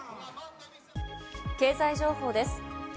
経済情報です。